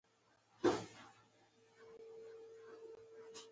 د هلک تبه شوه، پلار يې ډاکټر ته بوت، ماسختن له خويندو سره پرېووت.